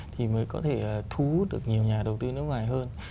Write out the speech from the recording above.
thì mới có thể thú được nhiều nhà đầu tư nước ngoài hơn